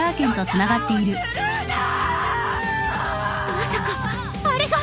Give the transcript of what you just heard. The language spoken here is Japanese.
まさかあれが。